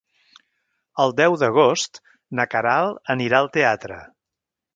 El deu d'agost na Queralt anirà al teatre.